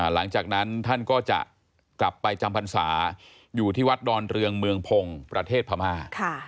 หลังจากนั้นท่านก็จะกลับไปจำพรรษาอยู่ที่วัดดอนเรืองเมืองพงศ์ประเทศพม่า